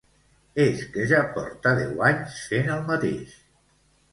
És que ja porta deu anys fent el mateix.